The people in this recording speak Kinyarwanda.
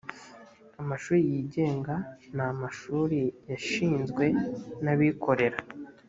amashuri yigenga ni amashuri yashinzwe nabikorera.